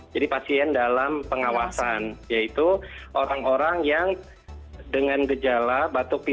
jadi pasien dalam pengawasan yaitu orang orang yang dengan gejala batuk penyakit